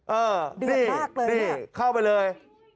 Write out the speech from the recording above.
เออนี่เข้าไปเลย